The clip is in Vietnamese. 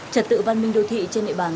trật tự văn minh đô thị trên địa bàn